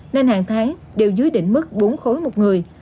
nên hàng tháng đều dưới đỉnh mức bốn khối một người